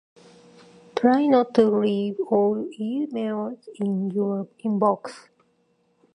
Try not to leave old emails in your inbox.